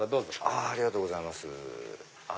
ありがとうございます。